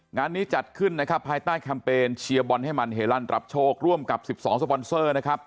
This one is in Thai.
งานนี้จัดขึ้นนะครับภายใต้แคมเปญเชียร์บอลให้มันเฮลั่นรับโชคร่วมกับ๑๒สปอนเซอร์นะครับ